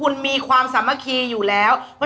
ใจเย็น